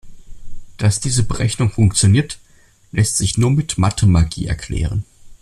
Dass diese Berechnung funktioniert, lässt sich nur mit Mathemagie erklären.